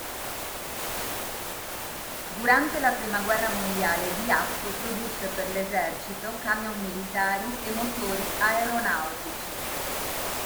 Durante la prima guerra mondiale Diatto produsse per l'esercito camion militari e motori aeronautici.